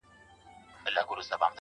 سپوږمۍ ته گوره زه پر بام ولاړه يمه,